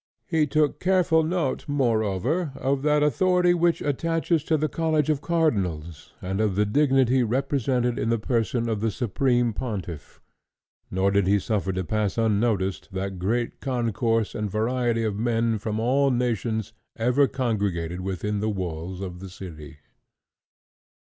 He took careful note, moreover, of that authority which attaches to the College of Cardinals, and of the dignity represented in the person of the Supreme Pontiff; nor did he suffer to pass unnoticed that great concourse and variety of men from all nations ever congregated within the walls of the city.